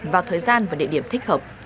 vào thời gian và địa điểm thích hợp